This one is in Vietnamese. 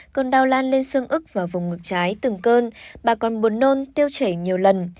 cơn đau lan lên xương ức và vùng ngực trái từng cơn bà còn buồn nôn tiêu chảy nhiều lần